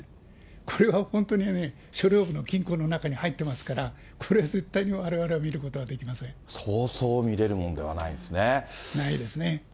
これは本当に、書陵部の金庫の中に入ってますから、これは絶対にそうそう見れるものではないないですね。